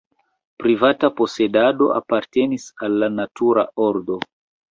Privata posedado apartenis al la natura ordo.